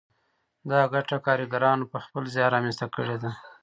دا ګټه کارګرانو په خپل زیار رامنځته کړې ده